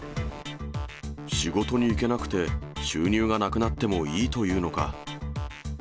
仕事に行けなくて、収入がなくなってもいいというのか？